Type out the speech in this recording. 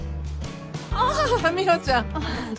ああ美帆ちゃん。